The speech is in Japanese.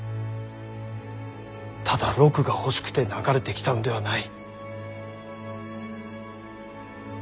ただ禄が欲しくて流れてきたのではない。